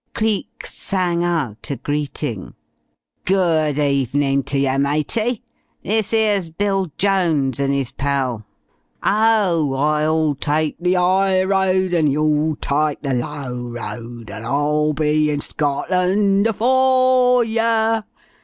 Cleek sang out a greeting. "Good evenin' to yer, matey! This 'ers's Bill Jones and 'is pal. 'Ow, I'll tyke the 'ighroad, and you'll tyke the laow road! and I'll be in Scotland afore yer'....